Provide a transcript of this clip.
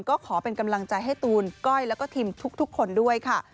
ก็ขอเป็นกำลังใจให้ตูนก้อยแล้วก็ทีมทุกคนด้วยค่ะ